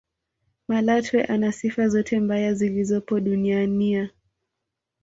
malatwe ana sifa zote mbaya zilizopo duniania